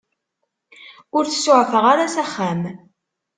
Ur t-suɛfeɣ ara s axxam.